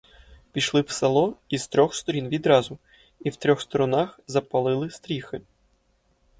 Пішли в село із трьох сторін відразу і в трьох сторонах запалили стріхи.